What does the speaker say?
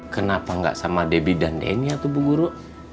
kenapa nggak sama debbie dan denya tuh bu guru